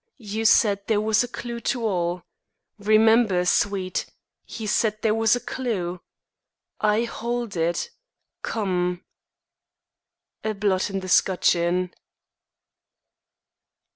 You said There was a clew to all. Remember, Sweet, He said there was a clew! I hold it. Come! _A Blot in the 'Scutcheon.